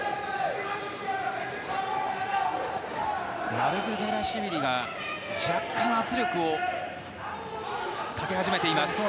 マルクベラシュビリが若干、圧力をかけ始めています。